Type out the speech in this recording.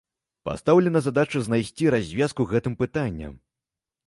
Пастаўлена задача знайсці развязку гэтым пытанням.